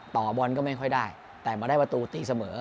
ต่อบอลก็ไม่ค่อยได้แต่มาได้ประตูตีเสมอ